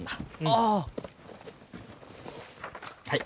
はい。